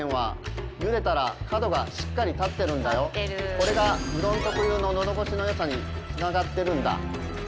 これがうどん特有ののどごしの良さにつながってるんだ。